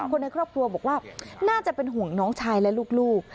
คนในครอบครัวบอกว่าน่าจะเป็นห่วงน้องชายและลูก